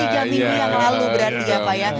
tiga minggu yang lalu berarti ya pak ya